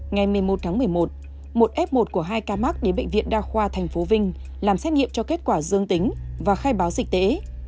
ngày một mươi một tháng một mươi một một f một của hai ca mắc đến bệnh viện đa khoa tp vinh làm xét nghiệm cho kết quả dương tính và khai báo dịch tễ